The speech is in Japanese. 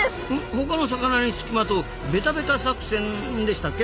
他の魚につきまとう「ベタベタ作戦」でしたっけ？